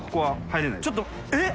ちょっとえっ？